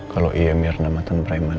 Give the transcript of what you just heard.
kalau iya miar damatan preman